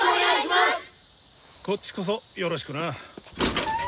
こっちこそよろしくな。